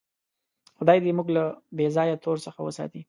خدای دې موږ له بېځایه تور څخه وساتي.